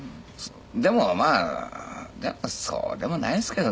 でもまあやっぱりそうでもないですけどね。